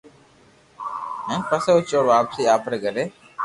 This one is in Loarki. ھين پسي او چور واپسي آپري گھري